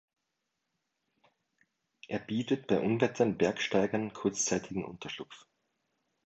Er bietet bei Unwettern Bergsteigern kurzzeitigen Unterschlupf.